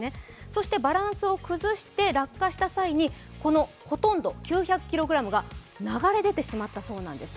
そしてバランスを崩して落下した際に、９００ｋｇが流れ出てしまったそうなんです。